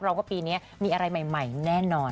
เพราะว่าปีนี้มีอะไรใหม่แน่นอน